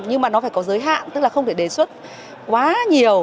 nhưng mà nó phải có giới hạn tức là không thể đề xuất quá nhiều